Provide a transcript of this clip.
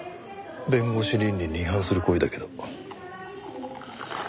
弁護士倫理に違反する行為だけど。